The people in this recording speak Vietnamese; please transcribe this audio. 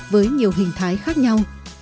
với nhiều hình thái khác nhau